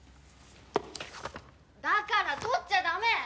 だから取っちゃダメ！